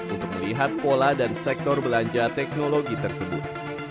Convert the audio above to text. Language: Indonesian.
untuk melihat pola dan sektor belanja teknologi tersebut